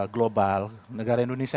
global negara indonesia